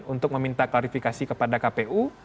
untuk meminta klarifikasi kepada kpu